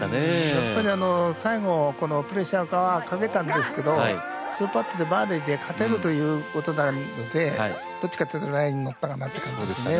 やっぱり最後このプレッシャーかけたんですけど２パットでバーディで勝てるということなのでどっちかっていうとラインに乗ったかなって感じですね。